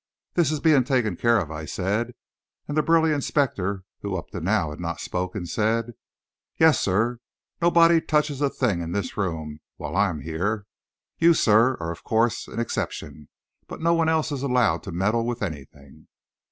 "This is being taken care of?" I said, and the burly inspector, who up to now had not spoken, said: "Yes, sir! Nobody touches a thing in this: room while I'm here. You, sir, are of course an exception, but no one else is allowed to meddle with anything."